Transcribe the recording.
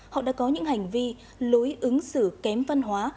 họ đã có những hành vi lối ứng xử kém văn hóa